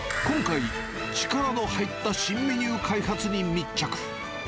今回、力の入った新メニュー開発に密着。